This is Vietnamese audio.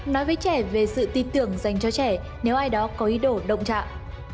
nói với trẻ về sự tin tưởng dành cho trẻ nếu ai đó có ý đồ động trạng